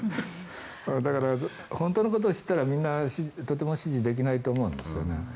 だから、本当のことを知ったらみんなとても支持できないと思うんですよね。